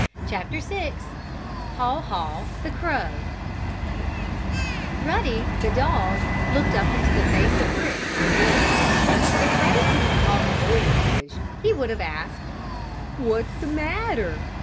CHAPTER VI HAW HAW THE CROW Ruddy, the dog, looked up into the face of Rick, the boy. If Ruddy could have talked boy language he would have asked: "What's the matter?